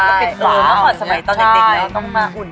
เมื่อก่อนสมัยตอนเด็กเลยต้องมาอุ่น